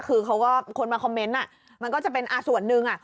คือเขาก็คนมาคอมเมนต์มันก็จะเป็นส่วนหนึ่ง